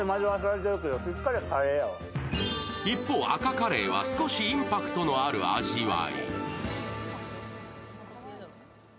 一方、赤カレーは少しインパクトのある味わい。